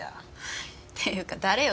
っていうか誰よ？